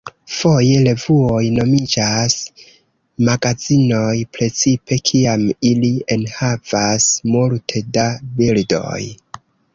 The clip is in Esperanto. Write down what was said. Foje revuoj nomiĝas "magazinoj", precipe kiam ili enhavas multe da bildoj.